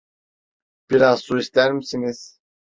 Biraz su ister misiniz?